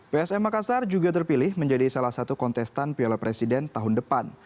psm makassar juga terpilih menjadi salah satu kontestan piala presiden tahun depan